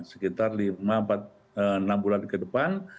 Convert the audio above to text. sekitar lima enam bulan ke depan